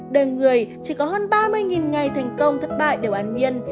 đời người chỉ có hơn ba mươi ngày thành công thất bại đều an miên